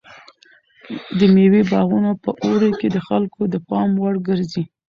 د مېوې باغونه په اوړي کې د خلکو د پام وړ ګرځي.